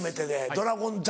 『ドラゴン桜』。